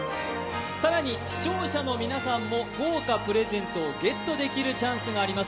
更に視聴者の皆さんも豪華プレゼントをゲットできるチャンスがあります。